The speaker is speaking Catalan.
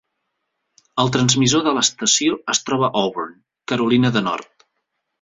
El transmissor de l'estació es troba a Auburn, Carolina de Nord.